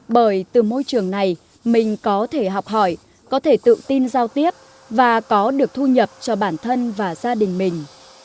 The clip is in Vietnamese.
bởi từ môi trường này mình có thể học hỏi có thể tự tin giao tiếp và có được thu nhập cho bản thân và gia đình mình